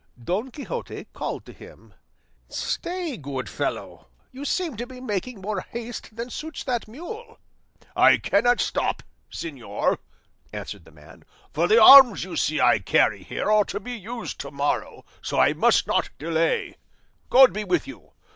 Don Quixote called to him, "Stay, good fellow; you seem to be making more haste than suits that mule." "I cannot stop, señor," answered the man; "for the arms you see I carry here are to be used to morrow, so I must not delay; God be with you.